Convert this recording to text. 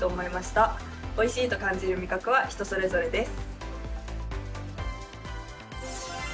おいしいと感じる味覚は人それぞれです。